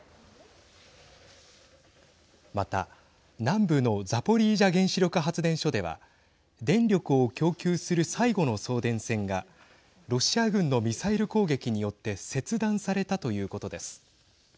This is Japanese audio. また南部のザポリージャ原子力発電所では電力を供給する最後の送電線がロシア軍のミサイル攻撃によって切断されたということです。